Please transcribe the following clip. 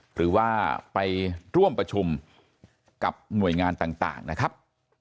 หรือว่าไปร่วมประชุมกับหน่วยงานต่างนะครับ